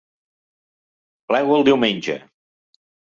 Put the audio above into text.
Plego el diumenge.